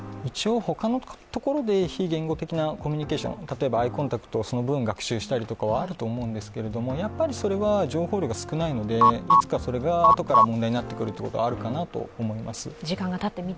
他のところで非言語的なコミュニケーション、例えばアイコンタクトをその分学習したりはあると思うんですけれどもそれは情報量が少ないのでいつかそれがあとから問題になってくることはあると思います。